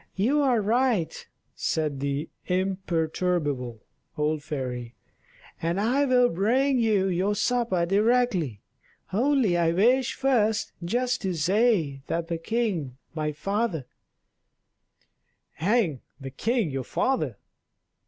"You are right," said the imperturbable old fairy; "and I will bring you your supper directly, only I wish first just to say that the king my father " "Hang the king your father!"